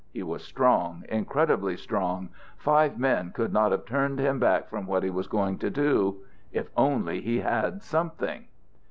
He was strong, incredibly strong! Five men could not have turned him back from what he was going to do if only he had something.